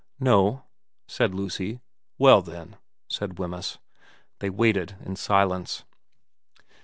' No,' said Lucy. ' Well then,' said Wemyss. They waited in silence.